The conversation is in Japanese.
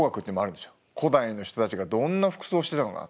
古代の人たちがどんな服装してたのかなと。